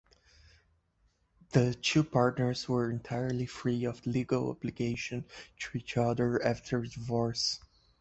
The two partners were entirely free of legal obligations to each other after divorce.